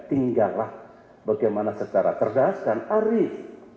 tinggallah bagaimana secara cerdas dan arif